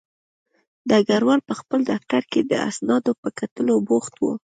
ډګروال په خپل دفتر کې د اسنادو په کتلو بوخت و